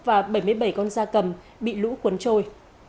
và bảy mươi bảy con da cầm bị lũ cuốn trôi